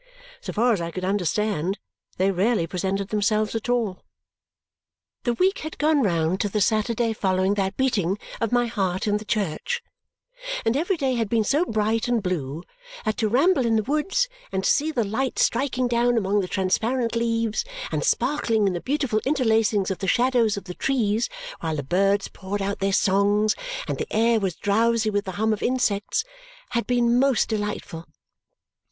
So far as I could understand, they rarely presented themselves at all. The week had gone round to the Saturday following that beating of my heart in the church; and every day had been so bright and blue that to ramble in the woods, and to see the light striking down among the transparent leaves and sparkling in the beautiful interlacings of the shadows of the trees, while the birds poured out their songs and the air was drowsy with the hum of insects, had been most delightful.